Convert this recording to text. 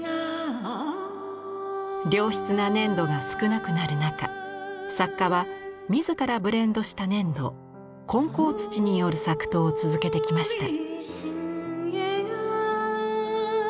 良質な粘土が少なくなる中作家は自らブレンドした粘土混淆土による作陶を続けてきました。